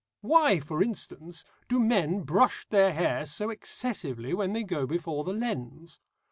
Why, for instance, do men brush their hair so excessively when they go before the lens?